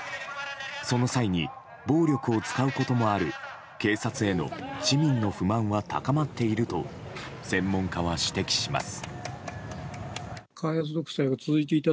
その際に、暴力を使うこともある警察への市民の不満は高まっていると専門家は指摘します。